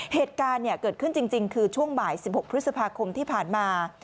เหตุการณ์เกิดขึ้นจริงคือช่วงบ่าย๑๖พฤษภาคมที่ผ่านมา